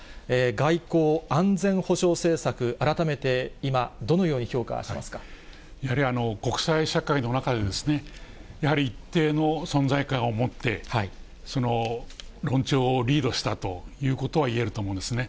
外交安全保障政策、改めて、今、やはり、国際社会の中で、やはり一定の存在感を持って、論調をリードしたということはいえると思いますね。